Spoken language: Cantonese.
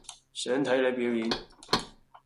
想睇你表演